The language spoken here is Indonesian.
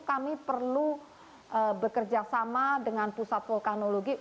kami perlu bekerja sama dengan pusat vulkanologi